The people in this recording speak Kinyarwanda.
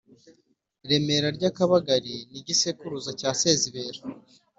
remera rya kabagari ni igisekuruza cya sezibera,